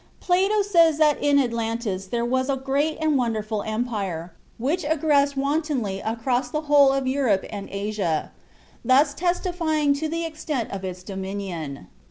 Plato says that in Atlantis there was "a great and wonderful empire," which "aggressed wantonly against the whole of Europe and Asia," thus testifying to the extent of its dominion.